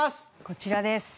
こちらです。